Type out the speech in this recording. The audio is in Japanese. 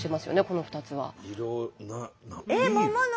この２つは。